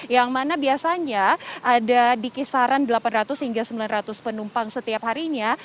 yang mana biasanya ada di kisaran delapan ratus hingga sembilan ratus penumpang setiap harinya